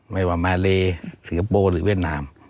ในมาเมลีสิกระโปรหรือเวียดนาม